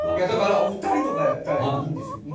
だから、お二人とかだったらいいんですよ。